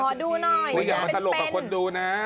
ดูหน่อยอย่ามาตลกกับคนดูนะ